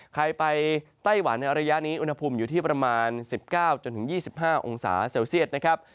ใครไปไต้หวันในระยะนี้อุณหภูมิอยู่ที่ประมาณ๑๙๒๕องศาเซลเซียตนะครับ